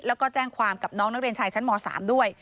แล้วก็แจ้งความกับน้องนักเรียนชายชั้นม๓ด้วย